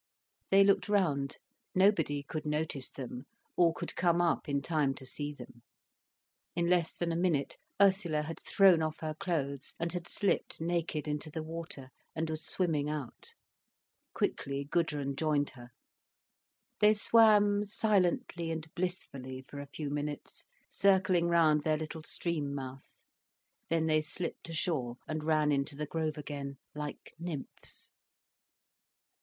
They looked round. Nobody could notice them, or could come up in time to see them. In less than a minute Ursula had thrown off her clothes and had slipped naked into the water, and was swimming out. Quickly, Gudrun joined her. They swam silently and blissfully for a few minutes, circling round their little stream mouth. Then they slipped ashore and ran into the grove again, like nymphs.